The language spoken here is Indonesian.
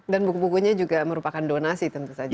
dan buku bukunya juga merupakan donasi tentu saja